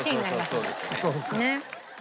そうそうそうですね。